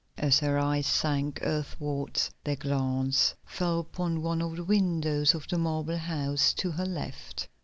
As her eyes sank earthwards their glance fell upon one of the windows of the marble house to her left.